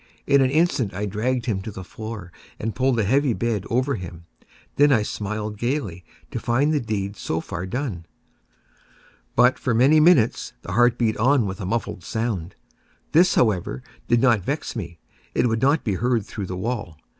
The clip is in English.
In an instant I dragged him to the floor, and pulled the heavy bed over him. I then smiled gaily, to find the deed so far done. But, for many minutes, the heart beat on with a muffled sound. This, however, did not vex me; it would not be heard through the wall.